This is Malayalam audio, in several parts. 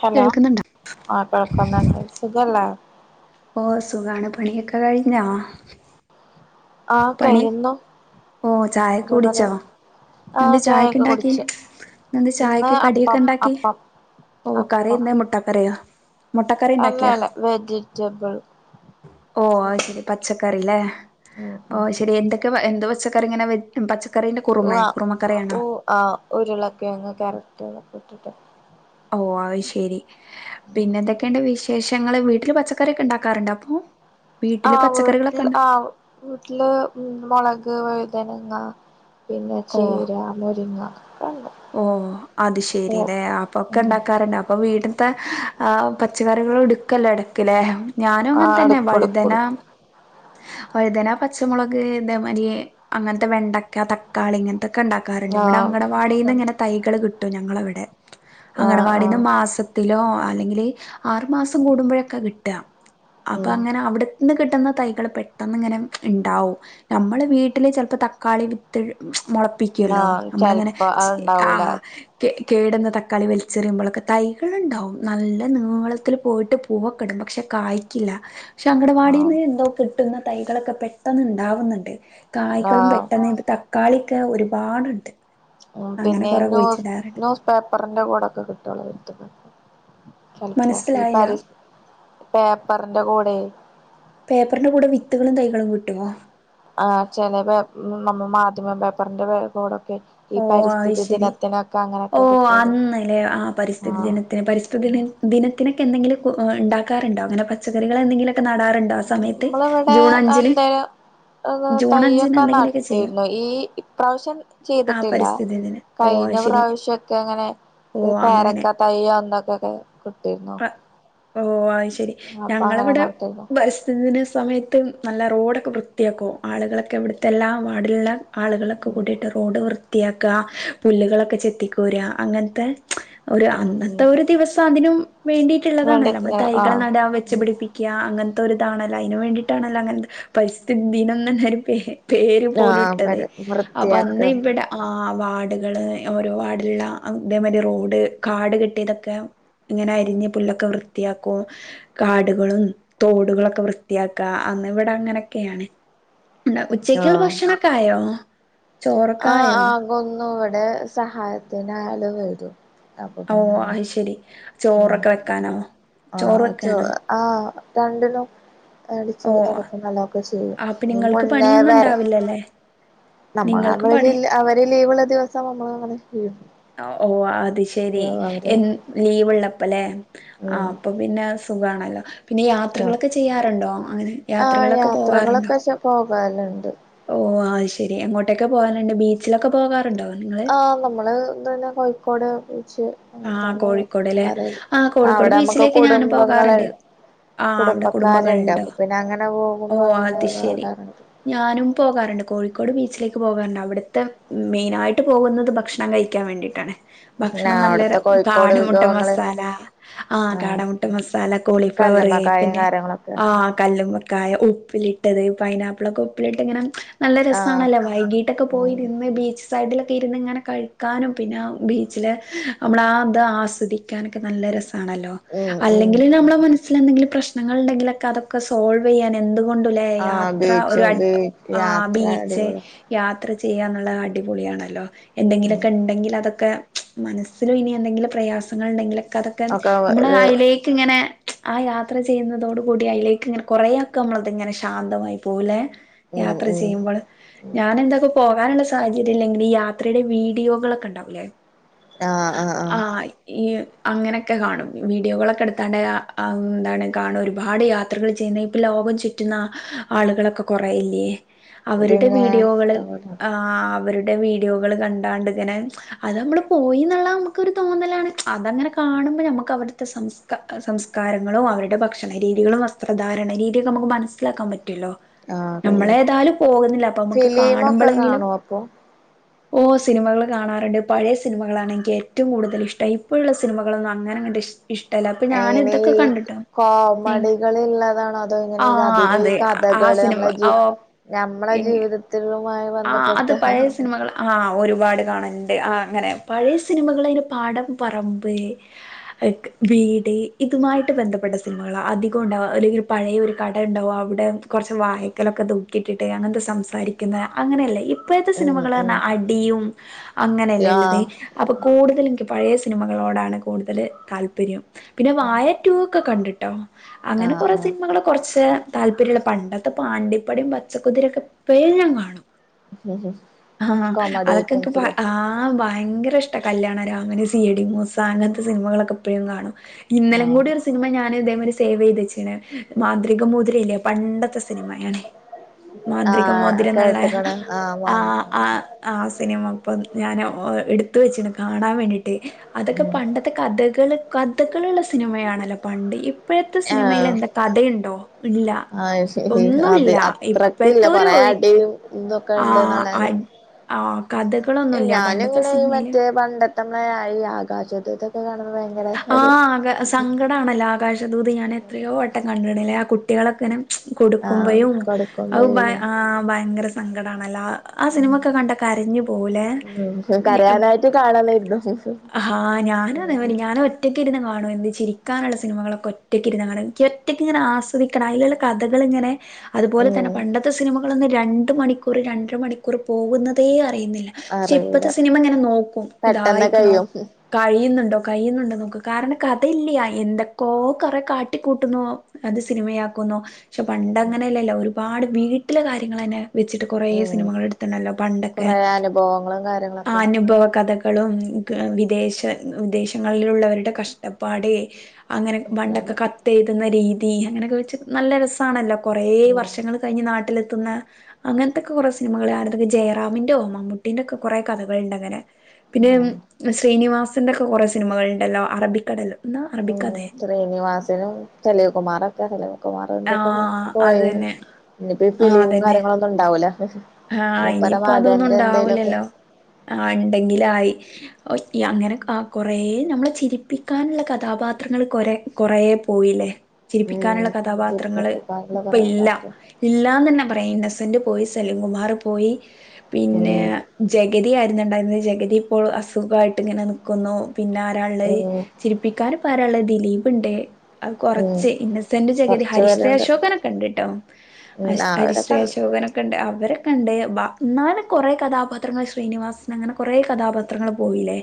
ഹലോ കേൾക്കുന്നുണ്ടോ ആഹ് കൊഴക്കുന്നുണ്ട് സുഖല്ലേ ഓഹ് സുഖാണ് പണിയൊക്കെ കയ്ഞ്ഞോ? ആഹ് കഴിയുന്നു. ഓഹ് അതേപോലെ ചായൊക്കെകുടിച്ചോ? ആഹ് എന്തേ ചായൊക്കെ ചായക്ക്‌ഇണ്ടാക്കി കുടിച്ചു ഇന്ന്ന്തേ ഇന്ന് ചായക്ക് അപ്പം കടിയൊക്കെഇണ്ടാക്കി. അപ്പം ഓഹ് അപ്പം കറിയന്ത് മുട്ടാകറിയാ. അല്ല അല്ല വെജിറ്റബിൾ ഓഹ് അഹ് ശെരി പച്ചക്കറിലേ ഉം ഉം ഓഹ് ശെരി എന്തൊക് ക് എന്ത്പച്ചക്കറി ഇങ്ങനെ പച്ചക്കറിന്റെ കുറുമേ കുറുമക്കറിയണോ? ആഹ് ഉരുളൊക്കെയങ്ങ് ക്യാരെക്റ്റ് ഇതൊക്കെ ഇട്ടിട്ട്. ഓഹ് അഹ് ശെരി പിന്നെ എന്തൊക്കെണ്ട് വിശേഷങ്ങള് വീട്ടില് പച്ചക്കറിയൊക്കെ ഇണ്ടാക്കാറുണ്ടോ അപ്പോ? ആഹ് വീട്ടില് ആഹ് വീട്ടില് ഉം മൊളക് വയുതനങ്ങ പിന്നെ ചീരാ, മുരിങ്ങ ഒക്കെണ്ട് ഓഹ് അത്ശെരിലേ അപ്പൊക്കെ ഉം ഇണ്ടാക്കാറുണ്ട് അപ്പൊവീട് ത്തേ ആഹ് പച്ചക്കറികൾ ഇടുക്കല്ലോ ഇടക്ക്ലേ ഞാനും ആഹ് അങ്ങൻതെന്നെ എടുക്കും എടുക്കും വഴുതന എടുക്കും വഴുതനാ, പച്ചമുളക് ഇതേമാരി അങ്ങൻത്തെ വെണ്ടക്ക, തക്കാളി ഇങ്ങൻത്തൊക്കെ ഇണ്ടാ കറണ്ട് ഇവടെ ആഹ് അങ്കണവാടിന്ന് അതൊക്കെണ്ട് ഇങ്ങനെ തൈകൾകിട്ടും ഞങ്ങളവിടെ ആഹ് അങ്കണവാടിന്ന് ആഹ് മാസ ത്തിലോ അല്ലെങ്കില് ആറുമാസം കൂടുമ്പോഴൊക്കെകിട്ട. അപ്പൊ ഉം അങ്ങനെ അവിടെന്ന് കിട്ടുന്ന തൈകള് പെ പെട്ടെന്ന് ഇങ്ങനെ ഇണ്ടാവും ന്നമ്മള് വീട്ടില്ചിലപ്പോ തക്കാളിവിത്ത് മൊള പ്പിക്കോലോ ആഹ് ന്നമ്മളിങ്ങനെ ചെലപ്പോ അത്ണ്ടാവൂല കേ കേടെന്നതക്കാളി വെലിചെറിയുമ്പോളൊക്കെ തൈകൾണ്ടാവും നല്ലേനീളത്തിൽ പോയ്ട്ട് പൂവക്കെടും പക്ഷെകായ്ക്കില്ല. പക്ഷ ആഹ് അങ്കടവാടിന്ന് എന്തോകിട്ടുന്ന തൈകളൊക്കെ പെട്ടന്ന്ഇണ്ടാവുന്നുണ്ട്. കായ്കളും ആഹ് പെട്ടെന്ന്ത് തക്കാളിയൊക്കെ ഒര്പാട്ണ്ട്. ഉം പിന്നെ നൂസ് നൂസ് പേപ്പറിന്റെ കൂടൊക്കെ കിട്ടുള്ളചെൽപ്പോ ഈ മനസ്സിലായില്ല പരസ് പേപ്പറിന്റെകൂടെ പേപ്പറിന്റെകൂടെ വിത്തുകളും തൈകളും കിട്ടോ? ആഹ് ചെലെത് നമ്മ മാധ്യമ പേപ്പറിന്റെ കൂടൊക്കെ. ഈ ഓഹ് അഹ് പരിസ്ഥിതി ശെരി ദിനത്തിനൊക്കെ ഓ അങ്ങനെയൊക്കെ കിട്ടുവല്ലോ അന്ന്ലേ ആഹ് പരിസ്ഥിതിദിനത്തിന് ആഹ് പരിസ്ഥിതിന് ദിനത്തിനൊക്കെ എന്തെങ്കിലും അഹ് ഇണ്ടാക്കാറുണ്ടോ ഇങ്ങനെ പച്ചക്കറികൾ എന്തെിലൊക്കെനടാറ്ണ്ടോ നമ്മളെവടെ എന്തായ ജൂൺ അഞ്ചിന് തൈയൊക്കെ എന്തെങ്കിലുമൊക്കെ ചെയ്യും നട്ടിരുന്നു ഈ ആ ഇപ്രാവശ്യംചെയ്തിട്ടില്ല പരിസ്ഥിതി ദിനം ഓ കയ്ഞ്ഞ അയ്ശരി പ്രാവശ്യക്കെ ഇങ്ങനെ ഓ ഈ അങ്ങനെ പേരക്ക തൈ അന്നൊക്കൊക്കെ കിട്ടെര്ന്നു. ഓഹ് അത് ശെരി അപ്പൊ ഞങ്ങള് അങ്ങനെ ഇവടെ നട്ടിരുന്നു ബസ്സ് തിനസമയത്ത് ന്നല്ല റോഡൊക്കെ വൃത്തിയാക്കും ആളുകളൊക്കെ ഇവിടുത്തെ എല്ലാംവാർഡിലുള്ള ആളുകളൊക്കെ ഉം കൂടിയിട്ട് റോഡ് വൃത്തിയാക്ക പുല്ലുകളൊക്കെ ചെത്തിക്കോര അങ്ങൻത്തെ ഒര് ഉം അന്നത്ത ഉം ഒര് ദിവസം അതിനും വേണ്ട വേണ്ടിയിട്ടുള്ളതാണല്ലോ ന്നമ്മൾ ആഹ് തൈകൾനട ഉം വെച്ച്പിടിപ്പി ക്ക്യാ അങ്ങൻത്തൊരുരിതാണല്ലൊ അയ്ന് വേണ്ടിയിട്ടാണല്ലൊ അങ്ങനത്തെ പരിസ്ഥിദിനംന്നെന്നെ ഒര് പേഹ് പേര് പോലും ആഹ് പര ഇട്ടതെയ് വൃത്തിയാക്ക അപ്പൊഅന്ന് ഇവിട ആഹ് വാർഡുകള് ഓരോ വാർഡിലുള്ള അതേമാതിരി റോഡ് കാട് കെട്ടിയതൊക്കെ ഇങ്ങനെ അരിഞ്ഞ് പുല്ലൊക്കെ വൃത്തിയാക്കു കാടുകളും തോടുകളൊക്കെ വൃത്തിയാക്ക അന്ന് ഇവിടെ അങ്ങനെയൊക്കെയാണ്. എന്താ ഉച്ചക്കുള്ള ആഹ് ഭക്ഷണൊക്കെ ആയോ? ചോറൊക്കെ ആഹ് ആയോ ആകൊന്നുഇവിടെ സഹായത്തിനാള് വരും. അപ്പൊ പിന്നെ ഓഹ് അങ്ങനെ അഹ് ശെരി ഉം ചോറൊക്കെ വെക്കാനൊ? ആഹ് ആചോ ആരണ്ടിനും ഓ അടിച്ചോരി തൊടക്കുന്നെല്ലാം ഒക്കെചെയ്യും അപ്പൊ അതിന് നിങ്ങൾക്ക് പണിയൊന്നും മുന്നേവരെ ഉണ്ടാവില്ലല്ലേ ന്നമ്മള് നിങ്ങൾക്ക് അവര് പണി ജിൽ ലീവുള്ള ദിവസം ന്നമ്മള് അങ്ങനെചെയ്യും. ആഹ് ഓഹ് അത് ശെരി എൻ ലീവ്ള്ളപ്പല്ലേ ആഹ് ഉം അപ്പൊ പിന്നെ സുഖാണല്ലോ പിന്നെ യാത്രകളൊക്കെ ചെയ്യാറുണ്ടോ അങ്ങനെ യാത്രകളൊക്കെ പോവാറുണ്ടോ പോകല്ണ്ട് ഓ അത് ശരി എങ്ങോട്ടൊക്കെ പോകാനുണ്ട് ബീച്ചിലൊക്കെ പോകാറുണ്ടോ നിങ്ങ ആ നമ്മള് ഇത് പോലെ കോഴിക്കോട് ബീച്ച് ആഹ് കോഴിക്കോട് ല്ലേ ആഹ് [inaudible] കോഴിക്കോട് അവടെ നമ്മക്ക് ബീച്ചിലേക്ക് ഞാനും കുടുംബങ്ങള് പോകാറുണ്ട് ആഹ് അവിടെ കുടുംബക്കാര്ണ്ട് കുടുംബങ്ങളുണ്ടോ അപ്പ പിന്നെ അങ്ങനെ പോകുമ്പോ ഓ അങ്ങനെ അത് ശെരി അവിട [inaudible] ഞാനും പോകാറ്ണ്ട് കോഴിക്കോട് ബീച്ചിലേക്ക് പോകാറ്ണ്ട് അവിടുത്തെ മെയിനായിട്ട് പോകുന്നത് ഭക്ഷണം കഴിക്കാൻ വേണ്ടി പിന്നെ ഭക്ഷണം നല്ല അവിടുത്തെ കോഴിക്കോട് കാട മുട്ട വിഭവങ്ങള് മസാല ആഹ് കാടമുട്ട മസാല കോളിഫ്ലവറ് കല്ലുമ്മക്കായും പിന്നെ കാര്യങ്ങളൊക്കെ ആഹ കല്ലുമക്ക കായ ഉപ്പിലിട്ടത് പൈനാപ്പിളൊക്കെ ഉപ്പിലിട്ട് ഇങ്ങനെ നല്ല ആഹ് രസാണല്ലേ വൈകീട്ടൊക്കെ ഉം പോയി നിന്ന് ബീച്ച് സൈഡിലൊക്കെ ഇരുന്ന്ങ്ങനെ കഴിക്കാനും പിന്നെ ബീച്ചിൽ നമ്മളാ അത് ആസ്വദിക്കാനൊക്കെ നല്ല രസ ആണല്ലോ ഉം ഉം അല്ലെങ്കിൽ നമ്മുടെ മനസ്സിൽ എന്തെങ്കിലും പ്രശ്നങ്ങൾ ഉണ്ടെങ്കിലൊക്കെ അതൊക്കെ സോൾവ് പെയ്യൻ എന്തുകൊണ്ടല്ലേ ആഹ് യാത്ര ഒരു ബീച്ചും ബീ ആ യാത്ര ബീച്ച് അടിപൊളി യാത്ര ചെയ്യാനുള്ള അടിപൊളിയണല്ലോ ഉം എന്തെങ്കിലുക്കെ ഉണ്ടെങ്കിൽ അതൊക്കെ മനസ്സിലും ഇനി എന്തെങ്കിലും പ്രയാസങ്ങൾ ണ്ടെങ്കിലൊക്കെ അതൊക്കെ ഒക്കെ നമ്മുടെ ഒരു അയ്ലേക്ക് ങ്ങനെ ആ യാത്ര ചെയ്യുന്നതോടു കൂടി അയിലേക് ഇങ്ങനെ കൊറേയൊക്കെ നമ്മളത് ഇങ്ങനെ ശാന്തമായി പോലെ ഉം യാത്ര ഉം ചെയ്യുമ്പോൾ ഞാൻ എന്തക്കു പോകാനുള്ള സാഹചര്യല്ലെങ്കിൽ ഈ യാത്രയുടെ വീഡിയോകളൊക്കെ ഇണ്ടാവുല്ലേ ആഹ് ഈ അങ്ങനെക്കെ കാണും വീഡിയോകളൊക്കെ എടുത്താണ്ട് ആ ന്താണ് കാണും ഒരുപാട് യാത്ര യാത്രകൾ ചെയ്യുന്ന ഇപ്പൊ ലോകം ചുറ്റുന്ന ആളുകളൊക്കെ കൊറേ ല്ലേ അവരുടെ പിന്നെ വീഡിയോകൾ ആ അവരു ണ്ടെ വീഡിയോകള് കണ്ടാണ്ട് ഇങ്ങനെ അത് നമ്മള് പോയി എന്നുള്ള നമുക്കൊരു തോന്നലാണ് അതങ്ങന കാണമ്പ ഞമ്മക്ക് അവിടുത്ത്സംസ്ക സംസ് കാരങ്ങളും അവരുടെ ഭക്ഷണ രീതികളും വസ്ത്രധാരണ രീതിയൊക്കെ നമുക്ക് മനസ്സിലാക്കാൻ പറ്റല്ലോ ആഹ് കഴിയും നമ്മളെതായാലും പോകുന്നില്ല അപ്പൊ നമ്മുക്ക് ഫിലിമൊക്കെ കാണുമ്പോളെങ്കിലും കാണോ അപ്പൊ ഓഹ് സിനിമകൾ കാണാറ്ണ്ട് പഴയ സിനമകളാണ് എനിക്ക് ഏറ്റവും കൂടുതൽഷ്ടം ഇപ്പോള്ള സിനമകളൊന്നും അങ്ങനെങ്ങട് ഇഷട ഇഷ്ടല്ല. അപ്പൊ ഞാൻ ഇതൊക്കെ കണ്ടുട്ടോ കോമഡികൾ ഉള്ളതാണ് അതോ ഇങ്ങനെ ആഹ് അധികം ഈ അതെ ആ കഥകള് നമ്മളെ സിനിമ ജ് ഞമ്മള ഓ ജീവിതത്തിലുമായി ബന്ധപ്പെട്ട അഹ് ഒരുപാട് കാണുലുണ്ട് അഹ് അങ്ങനെ പഴയ സിനിമകളില് പാടം പറമ്പ് വീട് ഇതുമായിട്ട് ബന്ധപ്പെട്ട സിനിമകൾ അധികം ഉണ്ടാവുക. അല്ലെങ്കിൽ പഴയൊരു കട ഉണ്ടാവും അവടെ കുറച്ച് വായക്കലൊക്കെ തൂക്കിയിട്ടിട്ട് അങ്ങനത്തെ സംസാരിക്കുന്ന അങ്ങനെയല്ല ഇപ് ഇപ്പഴത്തെ ഉം ഉം സിനിമകൾറഞ്ഞാ അടിയും അങ്ങനല്ലേ ള്ളത് ആഹ് അപ്പൊ കൂടുതലും ക്ക് പഴയ സിനിമകളോടാണ് കൂടുതൽ താല്പര്യം പിന്നെ വായ ഒക്കെ കണ്ടിട്ടോ അങ്ങനെ കൊറേ ആഹ് സിനിമകളൊ കൊറച്ച് താല്പര്യം ഉള്ള, പണ്ടത്തെ പാണ്ടിപ്പടയും, പച്ചക്കുതിരയും ഇപ്പഴും ഞാൻ കാണും ആഹ് ആ കോമഡി അതൊക്കെ ന്ക്ക് ഐറ്റംസില് ആ ആഹ് ഭയങ്കര ഇഷ്ടാ. Kalyanaraman C I D Moosa അങ്ങനത്തെ സിനിമകളൊക്കെ ഇപ്പഴും കാണും ഇന്നലേ ആഹ് കൂടി ഒരു സിനിമ ഞാൻ ഇതേമാതിരി സേവ് ചെയ്ത് വെച്ചീന് മാന്ത്രിക മോതിരല്ലേ പണ്ടത്തെ സിനിമയാണ് മാന്ത്രിക ആഹ് മോതിരം എന്നുള്ള കേട്ട്ക്ക്ണ് വാങ്ങി ആഹ് ആഹ് ആഹ് സിനിമ ഇപ്പം ഞാൻ എടുത്തു വെച്ചീണ് കാണാൻ വേണ്ടിട്ട് അതൊക്കെ ഉം പണ്ടത്തേ ഇപ്പത്തെ കഥകൾ കഥകളുള്ള സിനിമയാണല്ലോ പണ്ട് ഇപ്പഴത്തെ സിനിമയിൽ ആഹ് എന്താ? കഥയണ്ടോ? ഇല്ല ആഹ് ശരി അത് ഒന്നുല്ല അത്രക്കില്ല കൊറേ അടിയും ഇതൊക്കെ [unintelligible] ഞാന പണ്ടത്തെ ഇങ്ങനെ ഈ സിനിമയില് മറ്റേ പണ്ടത്തമ്മെ ഈ ആകാശദൂത്ക്കെ കാണുന്നത് ഭയങ്കര ആ ഒരു ആക സങ്കടാണല്ലോ ആകാശദൂത് ഞാൻ എത്രയോ വട്ടംകണ്ടണ് ലെ ആ കുട്ടികളെക്കനും ആഹ് കൊടുക്കുമ്പയും അത് കൊടുക്കുമ്പഴേലും ആഹ് ഭയങ്കര സങ്കടാണല്ലോ ആ ആ സിനിമൊക്കെ കണ്ട കരഞ്ഞു പോവും ലെ ഉം കരയാനായിട്ട് കാണലായിരുന്നു ആഹാ ഞാന് അതെ മാതിരി ഞാന് ഒറ്റക്ക് ഇരുന്ന് കാണും എന്ത് ചിരിക്കാനുള്ള സിനിമകളൊറ്റെ ക്കി രുന്ന് കാണും ക്ക് ഒറ്റക്ക് ഇരുന്ന് ആസ്വദി ദിക്കണം അയിലുള്ള കഥകള് ങ്ങനെ അതുപോലെ തന്നെ ഉം പണ്ടത്തെ സിനിമകളൊന്നും രണ്ട് മണിക്കൂർ രണ്ടര മണിക്കൂർ പോകുന്നതേ അറിയുന്നില്ല പക്ഷെ അറിയൂല ഇപ്പത്തെ സിനിമ ഇങ്ങനെ നോക്കും പെട്ടെന്ന് ഇതായിക്കണോ കഴിയും കഴിയുന്നുണ്ടൊ കയ്യുന്നുണ്ടോന്ന് നോക്ക് കാരണം കഥയില്ല എന്തൊക്കോ കുറെ കാട്ടിക്കൂട്ടുന്നോ അത് സിനിമയാക്കുന്നു പക്ഷെ പണ്ട് അങ്ങനെല്ലല്ലോ ഒരുപാട് വീട്ടിലെ കാര്യങ്ങൾന്നെ വെച്ചിട്ട് കൊറേ ഉം സിനിമകൾ എടുത്ത്ണല്ലോ പണ്ടൊക്കെ കൊറേ അനുഭവങ്ങളും കാര്യങ്ങളൊക്കെ അനുഭവ കഥകളും ഉം വിദേശ വിദേശങ്ങളിലുള്ളവരുടെ കഷ്ടപ്പാടെ അങ്ങനെ പണ്ടൊക്കെ ഒക്കെണ്ട് ക- തെയ്തുന്ന രീതി അങ്ങനൊക്കെ വെച്ച് നല്ല രസാണല്ലോ കുറേ ഉം വർഷങ്ങൾ കഴിഞ്ഞ് നാട്ടിലെത്തുന്ന അങ്ങനത്തൊക്കെ കുറെ സിനിമകൾ ഞാൻ എടുത്ക് ജയറാമിന്റോ മമ്മൂട്ടിന്റോ ഒക്കെ കുറെ കഥകളുണ്ട് അങ്ങനെ പിന്നെ ഉം ആഹ് ശ്രീനിവാസന്റെ ഒക്കെ കുറേ സിനിമകൾ ഉണ്ടല്ലോ അറബിക്കടൽ എന്നാ ഉം അറബിക്കഥേ ശ്രീനിവാസനും സലിം കുമാറും എത്താൻപ്പല്ലേ സലിം കുമാറിന്റെ ആ ഒക്കെരു അത് പോയി തന്നെ ഇനിയിപ്പ ഈ ഫിലിമും കാര്യങ്ങളൊന്നും ഇണ്ടാവൂല ഹ് ഹ് ആഹ ഇനിയിപ്പ അതൊന്നും ഉണ്ടാവുലല്ലോ ആഹ് ഇണ്ടെങ്കിലായി ഓഹ് അങ്ങനെ അ കൊറേ നമ്മളെ ചിരിപ്പിക്കാനുള്ള കഥാപാത്രങ്ങൾ കൊറെ കൊറേ പോയില്ലേ ഉം ചിരിപ്പിക്കാനുള്ള കഥാപാത്രങ്ങള് ചിരിപ്പിക്കാനുള്ള ഇപ്പ കൊറേ ഇല്ല പാത്രം ഇല്ലാന്ന് ന്നെ പറയാം ഇന്നസെന്റ് പോയി സലിംകുമാറ് പോയി പിന്നെ ഉം ജഗതി ആയിരുന്നുണ്ടായിരുന്നത് ജഗതി ഇപ്പോൾ അസുഖായിട്ട് ഇങ്ങനെ നിക്കുന്നു പിന്നെ ആരാള്ളെ ഉം ചിരിപ്പിക്കാനാരപ്പള്ളത് ദിലീപ് ഇണ്ട് അത് ഉം കൊറച്ച് ഇന്നസെന്റ് ജഗതി കൊറച്ചു ഹരിശ്രീ പേരുണ്ട് അശോകനൊക്കെ ണ്ട് ട്ടോ ഉം ഹരിശ്രീ അവരൊക്കെ ഉണ്ട് അശോകനൊക്കെ ണ്ട് അവര് ക്കണ്ട് ബ ന്നാല് കൊറേ കഥാപാത്രങ്ങൾ ശ്രീനിവാസന് അങ്ങനെ കൊറേ കഥാപാത്രങ്ങള് പോയിലേ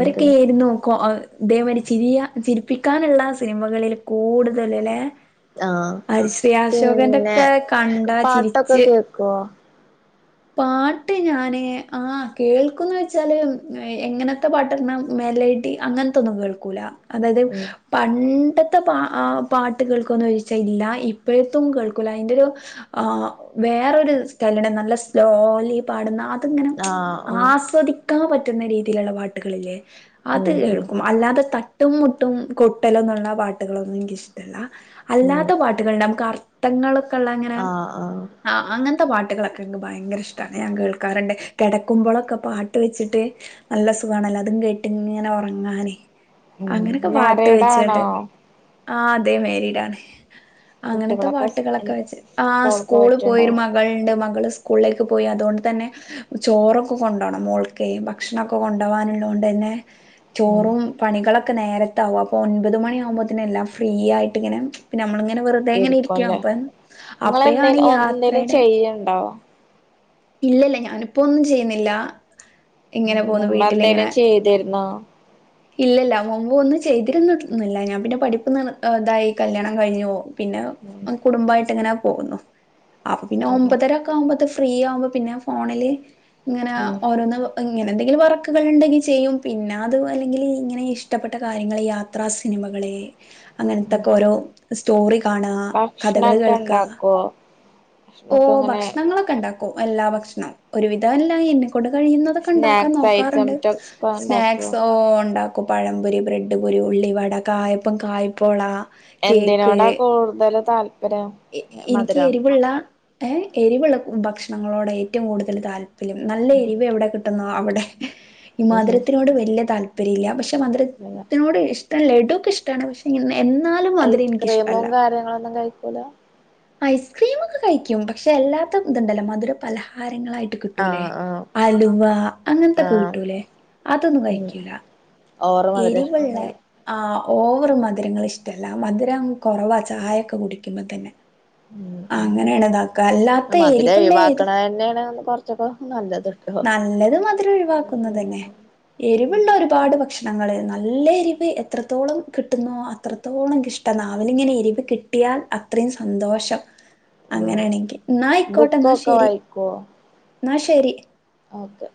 ഉണ്ട് കോ അഹ് ഇതേമായിരി ചിരിയാ ചിരിപ്പിക്കാനുള്ള സിനിമകളിൽ കൂടുതല് ല്ലേ ആഹ് ഹരിശ്രീ അശോകന്റെ പിന്നെ ക്കെ കണ്ടാ ചിരിച്ച് കോ പാട്ട് ഞാന് ആ കേൾക്കുംന്ന് വെച്ചാല് ഉം എങ്ങനത്തെ പാട്ടിടണം മെലഡി അങ്ങനത്തൊന്നും കേൾക്കൂല അതായത് ഉം പണ്ടത്തെ പ ആ പാട്ട് കേൾക്കോന്ന് ചോയിച്ചാ ഇല്ല ഇപ്പോഴത്തും കേൾക്കൂല അയിന്റൊരു ആ് വേറൊരു സ്ഥാൻന്റെർഡ് നല്ല [unintelligible] സ്ലോലി പാടുന്ന അതിങ്ങനെ ആഹ് ഉം ആസ്വദിക്കാൻ പറ്റുന്ന രീതിയിലുള്ള പാട്ടുകളില്ലേ അത് ഉം ഉം കേൾക്കും അല്ലാതെ ത തട്ടും മുട്ടും കൊട്ടലൊന്നുള്ള പാട്ടുകളൊന്നും എനിക്കിഷ്ട്ടല്ല ഉം അല്ലാത്ത പാട്ടുകൾ നമുക്ക് അർ - ഥങ്ങളൊക്കെ ള്ള അങ്ങനെ ആഹ് ആഹ് ആ അങ്ങനത്തെ പാട്ടുകളൊക്കെ ങ്ങ - ഭയങ്കര ഇഷ്ടമാണ് ഞാൻ കേൾക്കാറ്ണ്ട് കെടക്കുമ്പോളൊക്കെ പാട്ട് വെച്ചിട്ട് നല്ല സുഖണല്ലോ അതും കേട്ടിങ്ങനെ ഉറങ്ങാന് ഉം അങ്ങനെക്കെ പാട്ട് മാരീഡാണോ വെച്ചാട്ട് ആ അതെ മാരീടാണ് അങ്ങനത്തെ കുട്ടികളൊക്കെ പാട്ടുകളൊക്കെ വെച്ച് ആ സ്കൂൾ സ്കൂള് പോയൊരു പോയിട്ടുണ്ടാവും മകളുണ്ട് മകള് സ് - സ്കൂളിലേക്ക് പോയി അതോണ്ടു തന്നെ ചോറൊക്കെ കൊണ്ടോണം മോൾക്കെ ഭക്ഷണൊക്കെ കൊണ്ടോവാനുള്ളൊണ്ട് തന്നെ ഉം ചോറും പണികളൊക്കെ നേരത്താകും അപ്പോൾ ഒൻപത് മണി യാകുമ്പൊത്തന്നെ യെല്ലാം ഫ്രീ ആയിട്ടിങ്ങനെ പിന്നെ നമ്മളിങ്ങനെ വെറും [unintelligible] ഇരിക്കുംല്ലേ അപ്പം അപ്പഴാണ് ഈ യാത്രടെ യ് ഇണ്ടാവോ ഇല്ലല്ല ഞാനിപ്പോ ഒന്നും ചെയ്യുന്നില്ല മ് ഇങ്ങനെ പോന്നു നമ്മ എന്തേലും വീട്ടിലിങ്ങനെ ചെയ്തിരുന്നോ ഇല്ലല്ല മുമ്പ് ഒന്നും ചെയ്തിരുന്നുന്നില്ല ഞാൻ പിന്നെ പഠിപ്പ് നി ഇതായി കല്യാണം കഴിഞ്ഞു പോ പിന്നെ ഉം കുടുംബമായിട്ട് എങ്ങനെ പോകുന്നു അപ്പൊ പിന്നെ അതെല്ലേ ഒമ്പതരൊക്കെ ആവുമ്പോ അത് ഫ്രീ ആവുമ്പോ പിന്നെ ഫോണില് ഇങ്ങനെ ഉം ഓരോന്ന് ഇങ്ങനെ എന്തെങ്കിലും വർക്കുകൾ ഉണ്ടെങ്കിൽ ചെയ്യും പിന്നെ അത് അല്ലെങ്കിൽ ഇങ്ങനെ ഇഷ്ടപ്പെട്ട കാര്യങ്ങൾ യാത്രാ സിനിമകളെ ഉം അങ്ങനത്തൊക്കെ ഓരോ സ്റ്റോറി കാണുക കഥകൾ ഭക്ഷണൊക്കെ കേൾക്ക ഉണ്ടാക്കുവോ ഓ ഭക്ഷണൊക്കെ ഇങ്ങനെ ഭക്ഷണങ്ങളൊക്കെ ഉണ്ടാക്കും എല്ലാ ഭക്ഷണവും ഒരു വിധമല്ല എന്നെ കഴിയുന്നതൊക്കെ ഉണ്ടാക്കാൻ സ്നാക്സ് നോക്കാറുണ്ട് ഐറ്റംസ് ഒക്കെ സ്നാക്സ ഉണ്ടാക്കുവോ ഉണ്ട പഴംപൊരി ബ്രെഡ് പൊരി ഉള്ളി വട കായപ്പം കായ്പോളാ എന്തിനോടാ കൂടുതൽ താൽ എനിക്ക് എരിവുള്ള ഏ എരിവുള്ള ഭക്ഷണങ്ങളോട് ഏറ്റവും കൂടുതൽ താല്പര്യം നല്ല ഉം എരിവ് അവിടെ ഈ മധുരത്തിനോട് വലിയ താല്പര്യം ഇല്ല പക്ഷെ മധുരത്തിനോട് ഇഷ് ലഡുക്കെ ഇഷ്ടമാണ് പക്ഷെ എന്നാലും മധുരം എനിക്കിഷ്ടമല്ല വേറൊന്നും കഴിക്കൂല ഐസ്ക്രീമൊക്കെ കഴിക്കും പക്ഷെ അല്ലാത്ത ഇതുണ്ടല്ലോ മധുര പലഹാരങ്ങളായി കിട്ടൂലെ ആഹ് ആഹ് അലുവ അങ്ങനത്തൊക്കെ ആഹ് കിട്ടൂലെ അതൊന്നും ഉം കഴിക്കൂല ഓവർ മധുരം എരിവുള്ളെ ഇഷ്ടണ്ടാവൂല ആ ഓവറ് മധുരങ്ങൾ ഇഷ്ടല്ല മധുരം കുറവാ ചായയൊക്കെ കുടിക്കുമ്പോ തന്നെ മ് അങ്ങനെയാണ് ഇതാക്ക അല്ലാത്ത മ് മധുരം എരിവുള്ള ഏത് ഒഴിവാക്കണ തന്നെയാണ് കൊറച്ചൊക്കെ നല്ലത് ട്ടോ. നല്ലത് മധുരം ഒഴിവാക്കുന്നതന്നെ എരിവ് ഉള്ള ഒരുപാട് ഭക്ഷണങ്ങള് നല്ല എരിവ് എത്രത്തോളം കിട്ടുന്നുവോ അത്രത്തോളം ഇഷ്ടം നാവിലിങ്ങനെ എരിവ് കിട്ടിയാൽ അത്രയും സന്തോഷം മ് അങ്ങനെയാണെങ്കിൽ എന്നാ ബുക്കൊക്കെ വായിക്കുവോ എന്ന ശരി ഓക്കെ